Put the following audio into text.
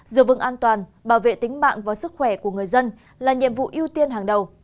giữ vững an toàn bảo vệ tính mạng và sức khỏe của người dân là nhiệm vụ ưu tiên hàng đầu